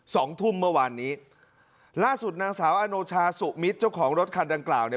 สองทุ่มเมื่อวานนี้ล่าสุดนางสาวอโนชาสุมิตรเจ้าของรถคันดังกล่าวเนี่ย